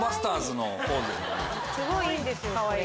すごいいいんですよこれ。